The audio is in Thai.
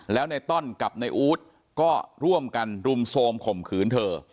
แล้วในต้อนกับในอู๊ดก็ร่วมกันรุมโทรมข่มขืนเธอ